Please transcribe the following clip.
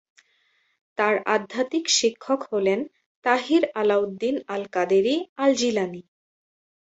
তার আধ্যাত্মিক শিক্ষক হলেন তাহির আলাউদ্দিন আল-কাদেরী আল-জিলানী।